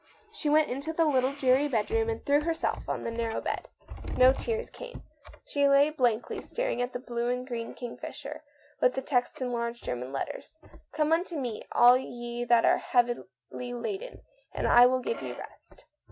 .. She went into the little dreary bedroom and threw herself on the narrow bed. No tears came. She lay blankly star ing at the blue and green kingfisher, with the text in large German letters, "Come unto me, all ye that are heavy laden, and I will give you rest."